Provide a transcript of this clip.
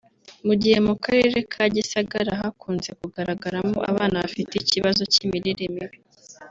Mu gihe mu karere ka Gisagara hakunze kugaragaramo abana bafite ikibazo cy’imirire mibi